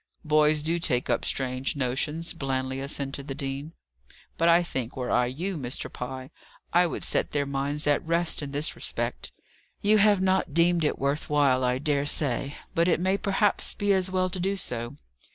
"Boys do take up strange notions," blandly assented the dean. "But, I think, were I you, Mr. Pye, I would set their minds at rest in this respect. You have not yet deemed it worth while, I dare say: but it may perhaps be as well to do so.